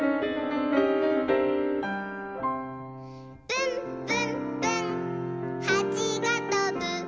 「ぶんぶんぶんはちがとぶ」